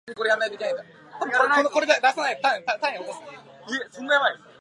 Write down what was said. この会社の求人、毎週見るな